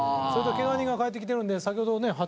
それとケガ人が帰ってきてるので先ほどね